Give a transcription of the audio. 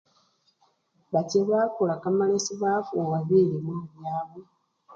Bacha bakula kamalesi bafuwa bilimwa byabwe.